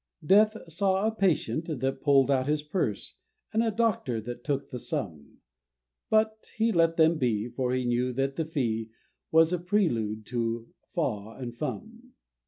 Death saw a patient that pull'd out his purse, And a doctor that took the sum; But he let them be for he knew that the "fee" Was a prelude to "faw" and "fum."